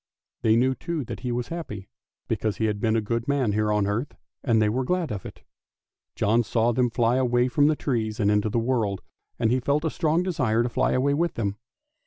They knew, too, that he was happy, because he had been a good man here on earth, and they were glad of it. John saw them fly away from the trees out into the world, and he felt a strong desire to fly away with them.